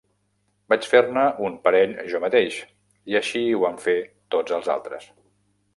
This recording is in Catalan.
Vaig fer-ne un parell jo mateix, i així ho van fer tots els altres.